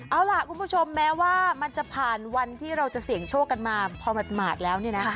เอาล่ะคุณผู้ชมแม้ว่ามันจะผ่านวันที่เราจะเสี่ยงโชคกันมาพอหมาดแล้วเนี่ยนะ